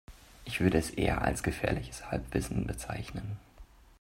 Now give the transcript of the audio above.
Ich würde es eher als gefährliches Halbwissen bezeichnen.